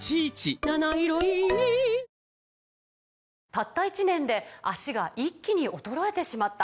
「たった１年で脚が一気に衰えてしまった」